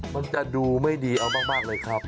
มันจะดูไม่ดีเอามากเลยครับ